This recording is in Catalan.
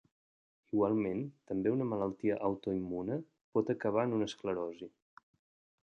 Igualment, també una malaltia autoimmune pot acabar en una esclerosi.